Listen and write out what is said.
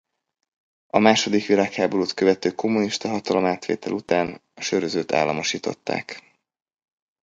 A második világháborút követő kommunista hatalomátvétel után a sörözőt államosították.